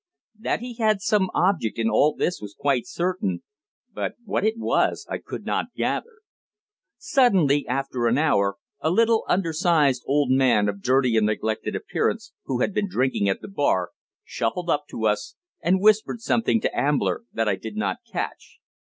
That he had some object in all this was quite certain, but what it was I could not gather. Suddenly, after an hour, a little under sized old man of dirty and neglected appearance, who had been drinking at the bar, shuffled up to us, and whispered something to Ambler that I did not catch.